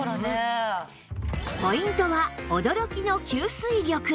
ポイントは驚きの吸水力